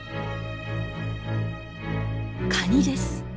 カニです。